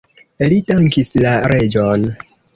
Li dankis la reĝon.